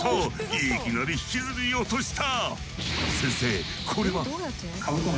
いきなり引きずり落とした！